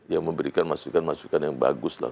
yang memberikan masukan masukan yang bagus lah